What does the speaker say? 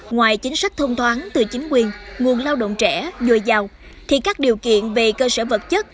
ngoài chính sách thông thoáng từ chính quyền nguồn lao động trẻ dồi dào thì các điều kiện về cơ sở vật chất